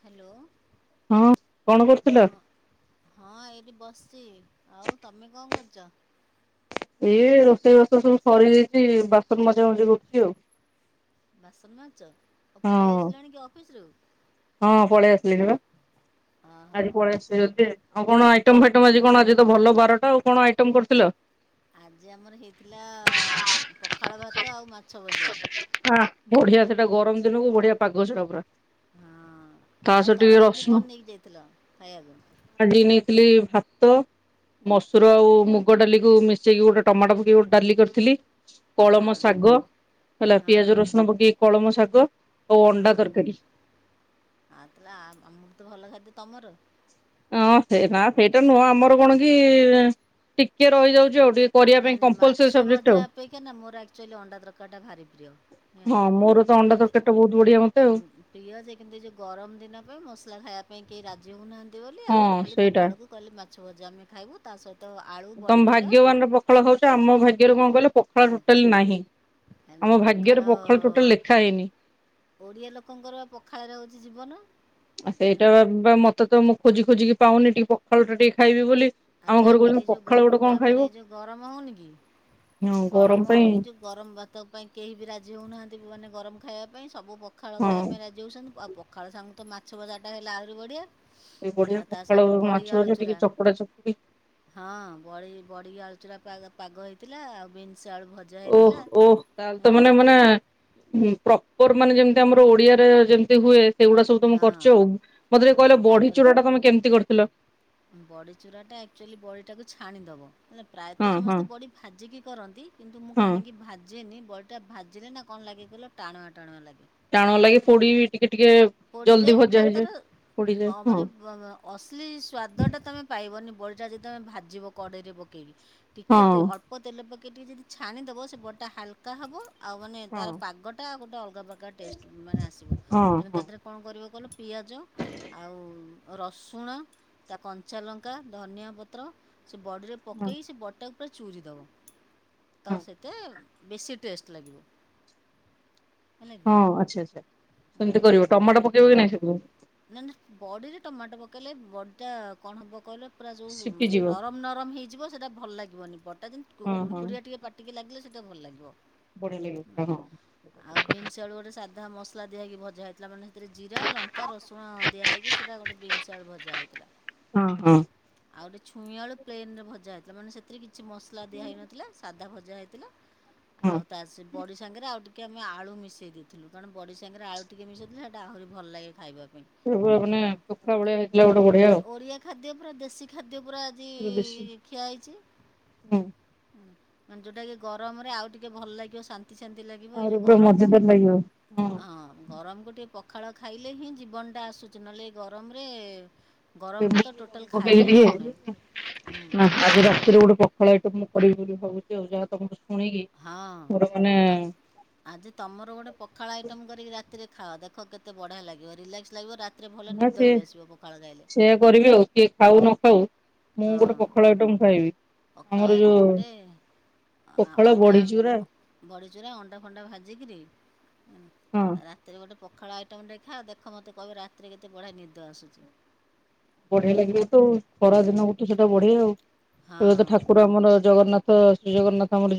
Hello ହଁ କଣ କରୁଥିଲ? ହଁ ହଁ ଏଇଠି ବସିଛି। ଆଉ ତମେ କଣ କରଛ? ଛା। ଏଇ ରୋଷେଇ ବଷ ସବୁ ସରିଯାଇଛି ବାସନ ମଜା ମଜା କରୁଛି ଆଉ। ବାସନ ମଜୁଚ ଆଉ ପଳେଇ ଆସିଲାଣି କି ଅଫିସ ରୁ ହଁ ପଳେଇ ଆସିଲିନିବା। ହଁ ହଁ। ଆଜିି ପଳିଆଦିଚି ଜଲ୍ଦୀ ଆଉ କଣ ଆଇଟମ ଫାଇଟମ ଆଜି କଣ ଆଜି ତ ଭଲ ବାରଟା ଆଉ କଣ ଆଇଟମ କରିଥିଲ? ଆଜି ଆମର ହେଇଥିଲା ପଖାଳ ଭାତ ଆଉ ମାଛ ଭଜା। ବଢିଆ ସେଟ ଗରମ ଦିନକୁ ବଢିଆ ପାଗଛଡା ପୁରା ହଁ ତା ଆଉ ସହ ଟିକେ ତମେ ଆଜି ରସୁଣ କଣ ନେଇକି ଯାଇଥିଲ ଖାଇବାକୁ ହାତ ମସୁର ଆଉ ମୁଗ ଡାଲିକୁ ମିଶେଇକି ଗୋଟେ ଟମାଟୋ ପକେଇ ଗେ ଡାଲି କରିଥିଲି। କଳମ ହଁ ଶାଗ ହେଲା ହଁ ପିଆଜ ରସୁଣ ପକେଇ କଳମ ଶାଗ ଆଉ ହଁ ଅଣ୍ଡା ତରକାରୀ। ଆଉ ତାହଲେ ଆମ ତ ଭଲ ଖାଦ୍ୟ ତମର ହଁ ସେ ନା ସେଇଟା ନୁହଁ ଆମର କଣ କି ଟିକେ ରହିଯାଉଛି ଆ ନାଇଁ ନାଇଁ ମାଛ ଭଜା ଅପେକ୍ଷା ନା ମୋରଚୁଲି ଅଣ୍ଡା ତରକାର ଟା ଭାରି ପ୍ରିୟ ହେଲା ହଁ ମୋର ତ ଅଣ୍ଡା କିନ୍ତୁ ତରକାରୀ ଟା ବହୁତ ବଢିଆ ମତେ ଆଉ ପ୍ରିୟ ଯେ କି ଯୋଉ ଗରମ ଦିନ ପାଇଁ ମସଲା ଖାଇବା ପାଇଁ କେହି ରାଜ୍ୟ ହେନାନ୍ତି। ବୋଲି ହଁ ଆମର ଖାଲି ସେଇଟା। ପଖାଳକୁ କହିଲେ ମାଛ ଭଜା ଆମେ ଖାଇବୁ ତା ସହିତ ତ ଆଳୁ ବଡ଼ିଚୁରା ଫଳ ହଉଛି ଆମ ଭାଗ୍ୟରେ କଣ କଲେ। ହେ ଭାଗ୍ୟରେ ପଖାଳ ଟୋଟାଲ ଲେଖା ହେଇନି। ଓଡିଆ ଲୋକଙ୍କର ପଖାଳରେ ହଉଛି ଜୀବନ ଆ ହୁଁ, ସେଇଟା ବା ମତେ ତ ମୁ ଖୋଜି ଖୋଜିିକି ପାଉନି ଟିକେ ପଖାଳ ଟିକେ ଖାଇବି ବୋଲି ଆଉ ଆମ ଘରେ କହୁଛନ୍ତି ତାପରେ ଏ ପଖାଳ ଯୋଉ ଗୋଟେ କଣ ଖାଇବ ତାପରେ ଏଇ ଯୋଉ ଗରମ ହଉନି କି ହଁ ଗରମ ପାଇଁ ହଉନି ଯୋଉ ଗରମ ଭାତ ପାଇଁ କେହି ବି ରାଜି ହଉନାହାନ୍ତି ମାନେ ଗରମ ଖାଇବା ପାଇଁ ସବୁ ପଖାଳ ହଁ। ଖାଇବା ପାଇଁ ରାଜି ହେଉଛନ୍ତି। ପଖାଳ ସାଙ୍ଗୁ ତ ମାଛ ବଜାଟା ହେଲେ ଆହୁରି ବଢ଼ିଆ। ଏ ବଢିଆ ଆଉ ତା ପଖାଳ ସାଙ୍ଗକୁ ବଡ଼ି ମାଛ ଆଳୁ ଟିକେ ଚୁରା ଚକୁଡା ଚକୁ ହଁ ବ ବଢି ଆ ଖୁଚୁରା ପାଗ ହେଇଥିଲା ଆଉ ବିନ୍ ଓହ ଓହ ତାହଲେ ତ ମାନେ ମାନେ ର ମାନେ ଯେମିତି ଆମର ଓଡିଆରେ ଯେମିତି ହୁଏ। ସେଇଗୁଡା ସବୁ ତମେ ହଁ କରୁଛ ଆଉ ମତେ ଟିକେ ହଁ କହିଲ ବଢି ତାପରେ ଚୂଡା ଟା ତମେ କେମିତି କରିଥିଲ। ବଡ଼ି ଚୁରାଟା ଆକ୍ଚୁଆଲି ବଡ଼ିଟାକୁ ଛାଣିଦେବ। ହଁ ପ୍ରାୟତଃ ହଁ ସମସ୍ତେ ବଡି ଭାଜିକି କରନ୍ତି କିନ୍ତୁ ମୁଁ ହଁ କାହିଁକି ଭାଜେନି ବଡ଼ିଟାିଲେ ନା କଣ ଲାଗିଗିଲ ଟାଣୁଆ ଟାଣୁ ଲାଗେ ଟାଣ ଲାଗି ପୋଡି ଟିକେ ଟିକେ ଜଲଦି ପଯୟ ଭଜା ତ ତାର ହେଇଯାଏ। ପୋଡିଯାଏ ହଁ ମାନେ ଅଶ୍ଲି ସ୍ୱାଦଟା ତୁମେ ପାଇବନି ବଡ଼ିଟା ଯଦି ତୁମେ ଭାିବ କଡ଼େଇରେ ପକାଇବି। ହଁ ଟିକେ ଅଳ୍ପତେଲ ପକେଇ େ ଟିକେ ଯଦି ଛାଣିଦବ ସେ ବଡ଼ଟା ହାଲକା ହେବ। ଆଉ ମାନେ ହଁ ତର ପାଗଟା ଗୋଟେ ଅଲଗା ପ୍ରକାର ଟେଷ୍ଟ ମାନେ ଆସିବ ହଁ ତେ ତା ହଁ ଦେହରେ କଣ କରିବ କହିଲ। ପିଆଜ ଆଉ ରସୁଣ ତା କଞ୍ଚାଲଙ୍କା ଧନିଆ ପତ୍ର ସେ ବର୍ଡ଼ରେ ହଁ ପକେଇ ସେ ବର୍ଟାକୁ ପ ଚୁରି ଦବ ତ ହଁ ସେହିତ ବେଶୀ ଟେଷ୍ଟ ଲାଗିବ। ହେଲା କି ହଁ ଆଚଛା ଆଚଛା ସେମିତି କରିବ ଟମାଟୋ ପକେଇବ କି ହଁ ନାଇଁ ସେ କଲେ ବ ଏଟା କଣ ହବ କହିଲ? ପୁରା ଯେଉଁ ସିପିଯିବ ନରମ ନରମ ହେଇଯିବ ସେଇଟା ଭଲ ଲାଗିବନି ବଟା ଯେତି ହଁ ହଁ କୁକୁଡ଼ିଆ ଟିକେ ପାଟିକି ଲାଗିଲେ ସୋ କେତେ ଭଲ ଲାଗିବ। ବଢିଆ ଲାଗିବ ସେଟା। ହଁ ଆଉ ବିନ୍ସ ଆଳୁ ଗୋଟେ ସାଧା ମସ୍ ମସଲା ଦିଆ ହୋଇକି ଭଜା ହେଇଥିଲା ମାନେ ସେଥିରେ ଜିରା ଲଙ୍କା ରସୁଣ ଦିଆହ ହୋଇକି ସେଇଟା ଗୋଟେ ବିନ୍ ଆଡ଼୍ ଭଜା ହେଇଥିଲା। ହଁ ହୁଁ। ହଁ। ଆଉ ଗୋଟେଛୁଇଁଆଲୁ ପ୍ନନ ରେ ଭଜା ହୋଇଥିଲା ମାନ ସେଥି କି କିଛି ମସଲା ଦିଆହଇନଥିଲା ସାଧା ଭଜା ଯା ହେଇଥିଲା। ହଁ ହଁ। ଆଉ ତା ସେ ବଡି ସାଙ୍ଗରେ ଆଉ ଟିକେ କି ଆମେ ଆଳୁ ମିଶାଇ ଦେଇଥିଲୁ କାରଣ ବଡ଼ି ସାଙ୍ଗରେ ଆଳୁ ଟିକେ ମିଶାଇଥିଲେ ସେଇଟା ଆହୁରି ଭଲ ଲାଗେ ଖାଇବାକୁ। ଏ ଆମ ମାନେ ବଢିଆ ଆଉ ଓରିଆ ଖାଦ୍ୟ ପୁରା ଦେସି ଖାଦ୍ୟ ଖଦ୍ୟ ପୁରା ଆଜି ଖିଆ ହେଇଛି। ହୁଁ। ଯୋଉଟା କି ଗରମରେ ଆଉ ଟିକେ ଭଲ ଲାଗିବ ଶାନ୍ତି। ଅତି ଶାନ୍ତି ଲାଗିବ ଏଇ ଆହୁରି ଯୋଉ ପୁରା ଗରମକୁ ମଜାଦାର ଲାଗିବ ହଁ ଗରମକୁ ଟିକେ ପଖାଳ ଖାଇଲେ ହିଁ ଜୀବନଟା ଆସୁଛି ନହେଲେ ଗରମରେ ଗରମ ଆଜି ଭାତ ରାତିରେ ଟୋଟାଲ୍ ଖାଇ ହିଁ ଗୋଟେ ହେଉନାହିଁ ପଖାଳ ଏଟ ହୁଁ ମୁ କରିବି କରିବି ଭାବୁଛି ଆଉ ଯାହା ତମସ୍ ହଁ ତମ ଆଜି ତମର ଗୋଟେ ପଖାଳ ଆଇଟମ କରିକି ରାତିରେ ଖାଅ ଦେଖ କେତେ ବଢିଆ ଲାଗିବ ରିଲାକ୍ସ ଲାଗିବ ରା ନା ସେ ସେଆ କରିବି ଆଉ କିଏ ଖାଉନ ହଉ ମୁଁ ଗୋଟେ ହଁ ପଖାଳ ଆଇଟମ ଖାଇବି ପଖାଳ ଆମର ଯୋଉ ଆଇଟମ୍ ଗୋଟେ ପଖାଳ ଅଣ୍ଡା ବଢି ଚୁରା ବଡ଼ିଚୁରା ଅଣ୍ଡା ଫଣ୍ଡା ଭାଜିକିରି ହଁ ରାତିରେ ଗୋଟେ ପଖାଳ ଆଇଟମଟେ ଖାଅ ଦେଖ ମୋତେ କହିବ ରାତିରେ କେତେ ବଢିଆ ନିଦ ଆସୁଛି। ବଢିଆ ଲାଗିବ ତ ଆଉ ଖରା ଦିନ ଗୋଟେ ସେ ତ ବଢଆ ଆଉ। ଏବେ ତ ହଁ ଠାକୁର ଆମର ଜଗନ୍ନାଥ ତ ଶ୍ରୀ ଜଗନ୍ନାଥଙ୍କ ଆମରି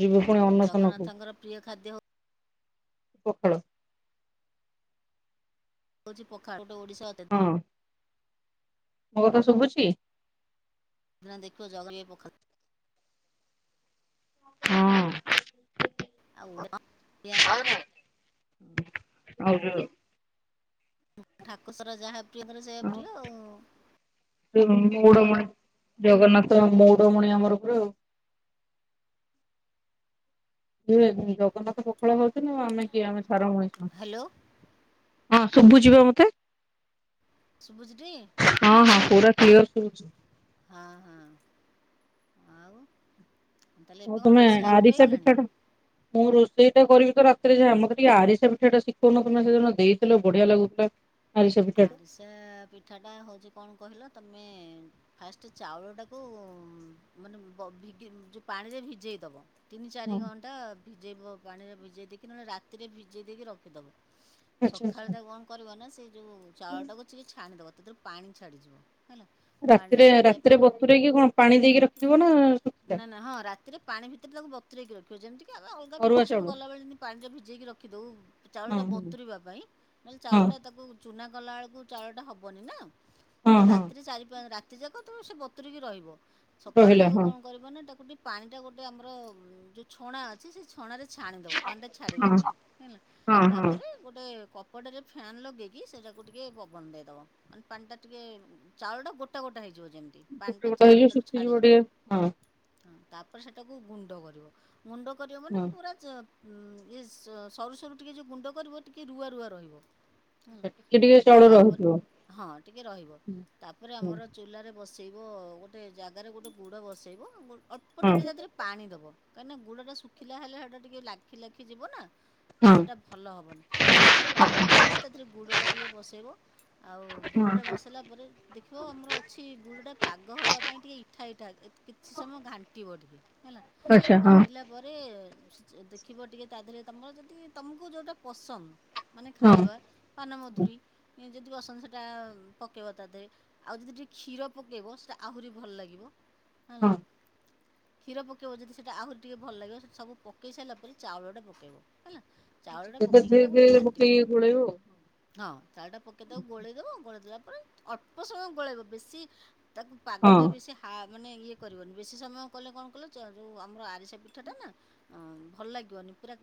ଜଗନ୍ନାଥଙ୍କର ପ୍ରିୟ ଖାଦ୍ୟ ହଉ ପଖାଳ ହଉଛି ପଖାଳ ହେଲେ ଓଡ଼ିଶା ଅଧେ ହଁ ମୋ କଥା ଶୁଭୁଛି? ସେଦିନ ଦେଖିବ ଜଗ [unintelligible] ହଁ। ଆଉ [unintelligible] ଆଉ ଯୋଉ ଠାକୁ ସର ଯାହା ବ ରଙ୍କର ସେୟା ପ୍ରିୟ ଆଉ। ମଉଡମଣି ଜଗନ୍ନାଥ ମଉଡମଣି ଆମର ପୁରା ଆଉ। ସିଏ ଜଗନ୍ନାଥ ପଖାଳ ଖାଉଛନ୍ତି ଆଉ ଆମେ କିଏ ଆମେ ସ ଛାର ମଣିଷ। ହ୍ୟାଲୋ ହଁ ଶୁଭୁଚି ବା ମତେ। ଶୁଭୁଚି ଟି ହଁ ହଁ ପୁରା କ୍ଲିୟର ଶୁଭୁଛି ହଁ ହଁ। ତା'ଲେ ଆଉ ଏବେ କଣ ତମେ ରୋଷେଇ ଆରମ୍ଭ ଆରିସା ହେଇଗଲାଣି? ପିଠାଟା ମୁଁ ରୋଷେଇ ଟା କରିବି ତ ରାତିରେ ଯାହା ମତେ ଟିକେ ଆରିସା ପିଠା ଟା ଶିଖଉନ ତମେ ସେଦିନ ଦେଇଥିଲ ବଢିଆ ଲାଗୁଥିଲା। ଆରିସା ପିଠାଟା ଆରିସା ପିଠା ଟା ହଉଛି କଣ କହିଲ ତମ ଆମେ ଫାଷ୍ଟ ଚାଉଳଟାକୁ ମାନେ ବ ଭିଗି ଯୋଉ ପାଣିରେ ଭିଜେଇଦବ ତିନି ଚାରି ହଁ ଘଣ୍ଟା ଭିଜେଇବ ପାଣିରେ ଭି ଜେଇ ଦେଇକି ନହେଲେ ରାତିରେ ଭିଜେଇ ଦେଇକି ରଖିଦବ ଆଚ୍ଛା ସଖାଳେ ଆଚ୍ଛା। ତାକୁ କଣ କରିବ ନା ସେ ଚାଉଳ ଟାକୁ ଥ ଛ। ତାହେଲେ ରତେରୁ ପାଣି ଛାଡ଼ିଯିବ। ହେଲା ପାଣିଟା ରାତିରେ ଛାଡ଼ିବା ପାଇଁ ରାତିରେ ଗୋଟେ ବତରେକି କଣ ପାଣି ଦେଇକି ରଖିଥିବ ନା ଶଖିଲା। କ ରଖିବାଛନ୍ତି। କି ଆମେ ଅଲଗା ପିଠା ସବୁ ଗଲାବେଳେମତି ପାଣିଟା ଭିଜେଇକି ରଖିଦେଉ ହଁ ଚାଉଳଟା ବତୁରିବା ପାଇଁ ନହେଲେ ହଁ ଚାଉଳଟା ତାକୁ। ଚୁନା ଗଲାବେଳକୁ ଚାଉଳଟା ହେବନି ନା। ତ ହଁ ହଁ ରାତି ଚାଲି ରା ଏତେ ଯାକ ତେବେଳେ ସେ ବତୁରିକି ରହିବ। ସକାଳୁ ରହିଲା ତାକୁ ହଁ କଣ କରିବ ନା ତାକୁ ଟିକେ ପାଣି ଟା ଗୋଟେ ଆମର ଯୋଉ ଛଣା ଅଛି ସେ ଛଣ ଛାଣିଦବ ପାଣି ଟା ଛାଡିବା ହଁ ପାଇଁ ହେଲା ହଁ ହଁ। ତାପରେ ଗୋଟେ କୋଟେରେ ଫନ୍ ଲଗେ ସେଟାକୁ ଟିକେ ପବନ ଦେଇଦବା ମାନେ ପାଣି ଟା ଟିକେ ଚାଉଳଟା ଗୋଟା ଗୋଟା ହେଇଯିବ। ଯିବ ଯେମିତି ଗୋଟେ ପାଞ୍ଚଟା ଗୋଟେ ହେଇଯିବ ଚାଉଳଟାରୁ ଶୁଖିଯିବ ଛାଡିଯିବ। ଟିକେ ହଁ ହଁ ତାପରେ ସେଟାକୁ ଗୁଣ୍ଡ କରିବ। ମୁଣ୍ଡ କରିବ ମାନେ ହଁ। ପୁରା ଁ ଇଏ ସରୁ ସରୁ ଟିକେ ଯେଉଁ ଗୁଣ୍ଡ କରିବ ଟିକିେ ରୁଆ ରୁଆ ରହିବ। ହୁଁ ଟିକେ ଟିକେ ସେଟା ଚାଉଳ ତାପରେ ରହୁଥିବ ହଁ ଟିକେ ରହିବ ତାପରେ ହଁ ଆମର ଚୁଲାରେ ବସେଇବ ଗୋଟେ ଜାଗାରେ ଗୋଟେ ଗୁଡ଼ ବସେଇବ ଆ। ଅଳ୍ପ ହଁ ଟିକିଏ ତା ଦେହରେ ପାଣି ଦେବ। କାହିଁକ ନା ଗଡାୁିଲା ହେଲେ ସେଟା ଟିକେ ଲାଖ ଲାଖି ଯିବ ନା। ତ ହଁ। ସେଟା ଭଲ ହବନି ଅଳ୍ପ ପାଣି ଦେଇକି ଗୁଡ଼ଟା ଟିକିେ ବସେଇବ ଆଉ ଗୁଡ଼ଟା ହଁ ବସାଇଲା ପରେ ଦେଖିବ ଆମର ଅଛି ଗୁଡ଼ଟା। ପାଗ ହବା ପାଇଁ ଟିକେ ଇଠା ଇଠା କିଛି ସମୟ ଘାଣ୍ଟିବ ଟିକେ ହେଲା ଆଚ୍ଛା ହଁ ଘାଣ୍ଟିଲା ପରେ ଦେଖିବ ଟିକେ ତା ଦେହରେ ତମର ଯଦି ତମକୁ ଯୋଉଟା ପସନ୍ଦ ମାନେ ହଁ ଖାଇବା। ହଁ ବନମଧୁରୀ ଯଦି ବସନ୍ତ ସେଇଟା ପକାଇବ ତା ଦେହରେ ଆଉ ଯଦି ଟିକିେ କ୍ଷୀର ପକାଇବ ସେଇଟା ଆହୁରି ଭଲ ଲାଗିବ। ହ ହଁ। କ୍ଷୀର ପକେଇବ ଯଦି ସେଇଟା ଆହୁରି ଟିକେ ଭଲ ଲାଗିବ ସବୁ ପକେଇ ସାରିଲା ପରେ ଚାଉଳଟା ପକେଇବ ହେଲା। ଚାଉଳଟା ପକେଇକି ତାକୁ ଧେରେ ଟିକେ ମ ଘାଣ୍ଟିବ କ ଗୋଣେଇ ହଁ ଚାାର ଟା ପକେଇ ଦବଉ ଗୋଳେଇ ଦବ। ଗୋଳଲା ପ ଅଳ୍ପ ସମୟ ଗୋଳେଇବ ବେଶୀ ତାକୁ ପାଗ ହଁ ଟା ବେଶୀ ହା ମାନେ ଇଏ କରିବନି ବେଶୀ ସମୟ କଲେ କଣ କଲେ ଯେଉଁ ଆମର ଆରିସା ପିଠାଟା ନା ଭଲ ଲାଗିବନି ପୁରା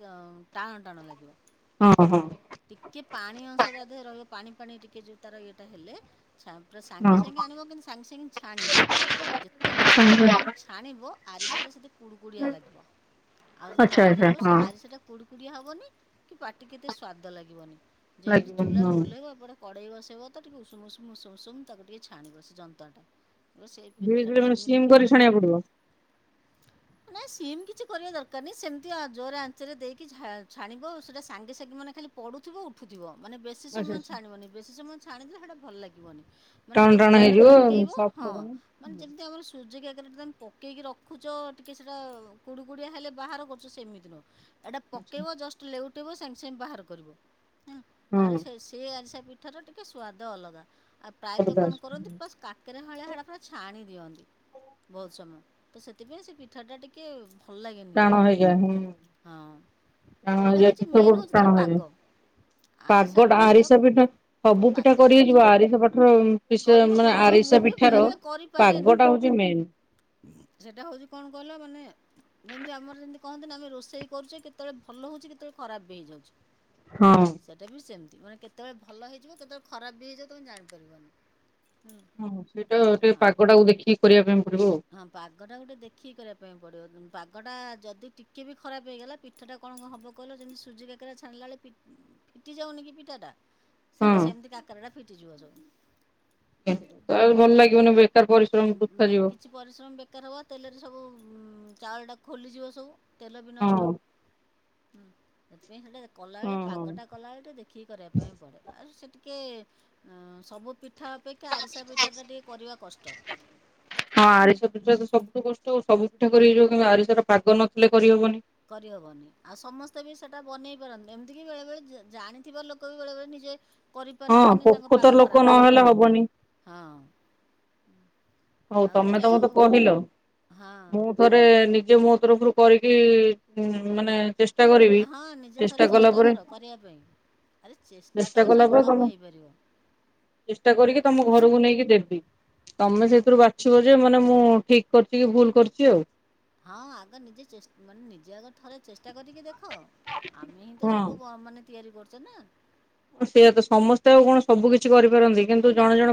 ଟାଣ ଟାଣ ଲାଗିବ। ହଁ ଟିକେ ରହିବ ପାଣି ପାଣି ଟିକେ ଯୋଉ ତାର ଏଇଟା ହେଲେ। ଛା ପୁରା ସାଙ୍ଗେ ହଁ ସାଙ୍ଗେ ଆଣିବ କିନ୍ତୁ ସାଙ୍ଗେ ସାଙ୍ଗେ ଛାଣିବ ଯେତେ ଗରମ ଗରମ ଛାଣିବ ଆରିସାଟା ସେତେ କୁଡ଼କୁଡ଼ିଆ ଲାଗିବ ଆଉ ଯଦି ଆଚ୍ଛା ରଖିଦେବ ଆଚ୍ଛା ସେ ହଁ। ଆରିସାଟା କୁଡ଼ କୁକୁଡିଆ ହବନି କି ପାଟି କେତେ ସ୍ଵାଦ ଲାଗିବନି। ଯେମିତି ଲାଗିବନି ଚୁଲା ରୁ ହଁ। ଓହ୍ଲେଇବ ଏପଟେ କଡ଼େଇ ବସେଇବ ତ ଟିକେ ଉଷୁମ ଉଷୁମ ଉଷୁମ ଉଷୁମ ତାକୁ ଟିକେ ଛାଣିବ ସେ ଯନ୍ତ୍ରଟା। ଦୁଇ ସିମ୍ କରି ଛଣିବାକୁ ପଡ଼ିବ। ନାଇଁ ସିମ୍ କିଛି କରିବା ଦରକାର ନାହିଁ ସେମିତି ଜୋର ଆଞ୍ଚରେ ଦେଇକି ଛାଣିବ ସେଇଟା ସାଙ୍ଗେ ସାଙ୍ଗେ ମାନେ ଖାଲି ପଡୁଥିବ ଉ ଉଠୁଥିବ। ମାନେ ବେଶୀ ଆଚ୍ଛା ସମୟ ଆଚ୍ଛା ଛାଣିବନି ବେଶୀ ସମୟ ଛାଣଦେ ହେଟା ଭଲ ଲାଗିବନି। ମାନେ ଟାଣ ତମେ ଟାଣ ପିଠା ଟା ହେଇଯିବ ପକେଇବ ସଫ୍ଟ ହଁ ହବନି। ମାନେ ହୁଁ, ଯେମିତି ଆମର ସୁଜିକା ତମେ ପକେଇକି ରଖୁଛ ଟିକେ ସେଟା କୁଡିୁ କୁଡିଆ ହେଲେ ବାହାର କରୁଛ ସେମିତି ନୁହଁ। ଏଟା ଆଚ୍ଛା। ପକେଇବ ଜଷ୍ଟ ଲେଉ ଫୁଟବ ସାଙ୍ଗେ ସାଙ୍ଗେ ବାହାର କରିବ। ହଁ ହଁ ତାରସେ ସେ ଆରେସା ପି ତାର ଟିକେ ସ୍ଵାଦ ଅଲଗା। ଆଉ ପ୍ରାୟତଃ ଅଲଗା କଣ ଆସିବ। କରନ୍ତି ହୁଁ, ପସ୍ କାକେରେ ହଳିଆ ହଳି ପୁରା ଛାଣି ଦିଅନ୍ତି ବହୁତ ସମୟ। ତ ସେଥିପାଇଁ ସେ ପିଠା ଟା ଟିକେ ଭଲ ଲାଗେନି ଟାଣ ଏତେ ହେଇଯାଏ ହୁଁ ହଁ ଟାଣ ଏଇଟା ହେଇଯାଏ ହଉଛି ପିଠା ମେନ୍ ବହୁତ ହଉଛି ଟାଣ ତାର ହେଇଯାଏ। ପାଗ। ଆରିସା ପାଗଟା ପିଠାର ଆରିସା ପିଠା ସବୁ ପିଠା ପାଗଟା କରି ହେଇ ହେଉଛି ଯିବ ମେନ୍ ଆରିସା ପାଠର ମାନେ କରିହେବନି ବା ମୁଁ ଆରିସା ବି ପିଠାର ବେଳେବେଳେ କରିପାରେନି ପାଗଟା ହଉଛି ମେନ୍। ସେଇଟା ହେଉଛି କ'ଣ କହିଲ ମାନେ ଯେମିତି ଆମର ଯେମିତି କହନ୍ତିନ ଆମେ ରୋଷେଇ କରୁଛେ କେତେବେଳେ ଭଲ ହଉଛିେ କେତେବେଳେ ଖରାପ ବି ହେଇଯାଉଚି। ହଁ। ସେଟା ବି ସେମି ମାନେ କେତେବେଳେ ଭଲ ହେଇଯିବ କେତେବେଳେ ଖରାପ ବି ହେଇଯିବ ତମେ ଜାଣିପାରିବନି। ହଁ ସେଇଟାେ ହୁଁ, ପାଗ ଟାକୁ ଦେଖିକି କରିବା ପାଇଁ ପଡିବ ହଁ ପାଗ ଟା ଗୋଟେ ଦେଖିକି କରିବା ପାଇଁ ପଡ଼ିବ ଯେ ବାଗଟା ଯଦି ଟିକେ ବି ଖରାପ ହେଇଗଲା ପିଠାଟା କଣ ହବ କହିଲ ଯେମିତି ସୁଯି କାକାରା ଛାଣିଲା ବେଳେ ପିଟି ଫିଟି ଯାଉନି କି ପିଠାଟା। ହଁ ସେଇଟା ସେମିତି କାକରାଟା ଫିଟିଯିବ ସବୁ ଆଉ ଭଲ ଲାଗିବନି ଏବେ। କିଛି ପରିଶ୍ରମ ବେକାର ହବ ତେଲରେ ସବୁ। ଚାଉଳଟା ଖୋଲିଯିବ ସବୁ। ତେଲ ବି ହଁ ନଷ୍ଟ। ହଁ ହୁଁ ଏଥିପାଇଁ ହେଟା କଲାବେଳେ ହଁ। ପାଗଟା କଲାବେଳେ ଟିକେ ଦେଖିକି କରିବା ପାଇଁ ପଡ଼େ ଆଉ ସେଠି ଟିକେ ସବୁ ପିଠ ପିଠା ଅପେକ୍ଷା ଆରିସା ପିଠାଟା ଟିକିେ କରିବା କଷ୍ଟ। ହଁ ଆରିସା ପିଠା ତ ସବୁଠୁ କଷ୍ଟ। ସବୁ ପିଠା କରି ହେଇଯିବ କିୁନ୍ତି ଆରିସାର ପାଗ ନଥିଲେ କରିହବନି। କରିହବନି ଆଉ ସମସ୍ତେ ବି ସେଟା ବନେଇ ପାରନ୍ତି ଏମିତିକି ବେଳେ ବଳେ ଜାଣିଥିବା ଲୋକ ବି ବେଳେ ବଳେ ନିଜେ। ହଁ କରିପାରନ୍ତିନି ତାଙ୍କ ପୋଖତ ପାଗ ଲୋକ ଖରାପ ହେଇଯାଏ ନହେଲେ ହବନି ହଁ। ହଉ ଆଉ ତମେ ତାହେଲେ ଆଉ ତମତେ କହିଲ ମୁଁ ହଁ ଥରେ ନି ନିଯେ ଯେ ମୋ ତରଫରୁ କରିବି ମାନେ ଚେସ - ଚେଷ୍ଟା କରିବି ହଁ ନିଜେ ଥରେ ଚେଷ୍ଟା କଲା ପରେ କର କରିବା ପାଇଁ ଆରେ ଚେଷ୍ଟା କଲେ କଲା ସବୁ ପରେ କାମ ତମ ହେଇପାରିବ ଚେଷ୍ଟା କରିକି ତମ ଘରକୁ ନେଇକି ଦେବି। ତମେ ସେ। ରୁ ବାଛିବ ଯେ ମାନେ ମୁଁ ଠିକ କରିଛି କି ଭୁଲ କରିଛି ଆଉ। ହଁ ଆଗ ନିଜେ ଚେସ ମାନେ ନିଜେ ଆଗ ଥରେ ଚେଷ୍ଟା କରିକି ଦେଖ। ଦେଖ ଆମେ ହିଁ ତ ସବୁ ବ ମାନେ। ତିଆରି କରଚେ ନା। ହ ସେଇଆ ତ ସମସ୍ତେ ଆଉ କଣ ସବୁ କିଛି କରି ନା ନା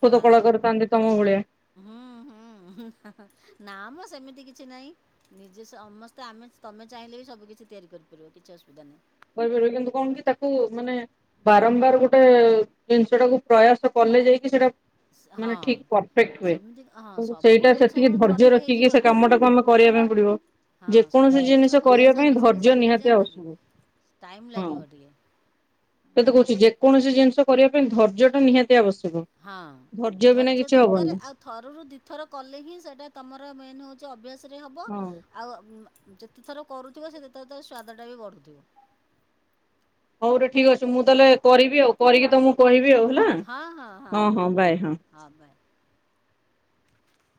ପ୍ରକୃତ ହଁ କଳାକାର ଥାନ୍ତି ତମ ଭଳିଆ ହୁଁ ହୁଁ ନା ମ ସେମିତି କିଛି। କିଛି ନାହିଁ ନିଜେ ସମସ୍ତେ ଆମେ ତମେ ଚାହିଁଲେ ବି ସବୁ କିିଛି ତିଆରି କରିପାରିବ କିଛି ଅସୁବିଧା ନାହିଁ। କହିପାରିବ କିନ୍ତୁ କଣ କି ତାକୁ ମାନେ ବାରମ୍ବାର ଗୋଟେ ଜିନିଷ ଟାକୁ ପ୍ରୟାସ କଲେ ଯାଇକି ସେଇଟା। ମାନେ ହଁ ଠିକ ପରଫେକ୍ଟ ହୁଏ ସେମିତି ହଁ କିନ୍ତୁ ସବୁ ସେଇଟା ଜିନିଷ ସେତିକି କଣ ଧୈର୍ଯ୍ୟ ଥରକେ ରଖିକି ହେଇଯିବ ସେ କି? କାମଟାକୁ ଆମେ କରିବା ପାଇଁ ପଡିବ ହଁ ଯେକୌଣସି ସବୁ ଜିନିଷ କଣ ଆଉ କରିବା ପାଇଁ ସାଙ୍ଗେ ସାଙ୍ଗେ ଧୈର୍ଯ୍ୟ ସବୁ ନିହାତି ହେଇଯାଆନ୍ତା କି? ଆବସ୍ୟକ। ଟାଇମ୍ ହଁ ଲାଗିବ ଟିକେ ସେୟା ତ କହୁଛି ଯେ। ଯେ କୌଣସି ଜିନିଷ କରିବା ପାଇଁ ଧର୍ଯ୍ୟଟା ନିହାତି। ଆବଶ୍ୟକ ହଁ ବିନା ଧୈର୍ଯ୍ୟ କିଛି ହବନି ଦରକାର ଆଉ ଥର ରୁ ଦିଥର କଲେ ହିଁ ସେଟା ତମର ମେନ ହଉଛି ଅଭ୍ୟାସ। ହବ ହଁ। ଆଉ ମ ଯେତେ ଥର କରୁଥିବ ସେତେଥର ତାର ସ୍ଵାଦ ଟା ବି ବଢୁଥିବ। ତେବେ ଠିକ୍ ଅଛି ମୁଁ ତାହେଲେ କରିବି ଆଉ କରିକି ତ ମ କୁ କହିବି। ଆଉ ହେଲା ହଁ ହଁ ହଁ ହଁ ହଁ ହଁ ହଉ ବାୟ।